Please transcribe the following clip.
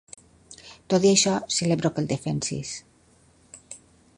Tot i això, celebro que el defensis.